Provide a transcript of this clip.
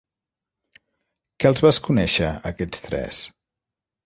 Que els vas conèixer, aquests tres?